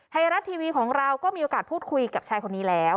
ไทยรัฐทีวีของเราก็มีโอกาสพูดคุยกับชายคนนี้แล้ว